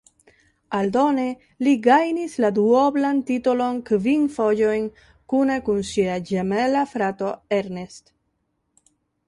Aldone li gajnis la duoblan titolon kvin fojojn kune kun sia ĝemela frato Ernest.